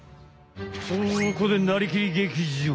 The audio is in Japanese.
そこで「なりきり！劇場」！